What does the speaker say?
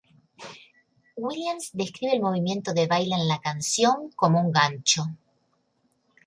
Williams describe el movimiento de baile en la canción como un gancho.